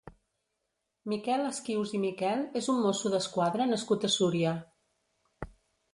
Miquel Esquius i Miquel és un mosso d'esquadra nascut a Súria.